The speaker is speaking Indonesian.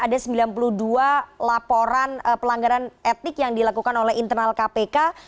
ada sembilan puluh dua laporan pelanggaran etik yang dilakukan oleh internal kpk